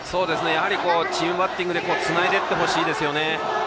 やはりチームバッティングでつないでいってほしいですよね。